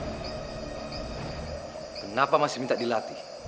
kenapa masih minta dilatih